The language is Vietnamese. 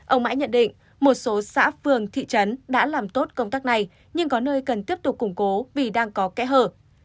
ông mãi nhận định một số xã phường thị trấn đã làm tốt công tác này nhưng có nơi cần tiếp tục củng cố vì đang có kẽ hở